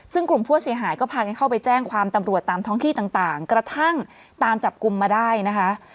ซึ่งกลุ่มผู้เสียหายก็พากันเข้าไปแจ้งความตำรวจตามท้องที่ต่างกระทั่งตามจับกลุ่มมาได้นะคะ